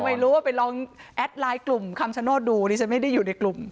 ไม่รู้ว่าไปลองแอดไลน์กลุ่มคำชโนธดูดิฉันไม่ได้อยู่ในกลุ่ม